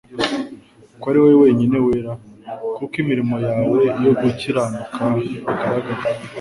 ko ari wowe wenyine wera ?... Kuko imirimo yawe yo gukiranuka igaragajwe.»